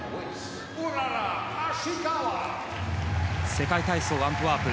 世界体操アントワープ